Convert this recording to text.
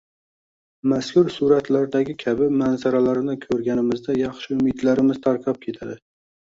mazkur suratlardagi kabi manzaralarni ko‘rganimizda yaxshi umidlarimiz tarqab ketadi?